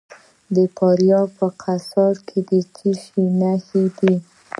د فاریاب په قیصار کې د څه شي نښې دي؟